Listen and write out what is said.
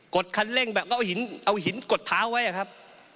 ดคันเร่งแบบเอาหินกดเท้าไว้อะครับ